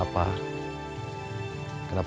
aku mau menangis